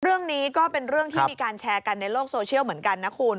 เรื่องนี้ก็เป็นเรื่องที่มีการแชร์กันในโลกโซเชียลเหมือนกันนะคุณ